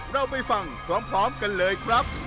เราไปฟังพร้อมกันเลยครับ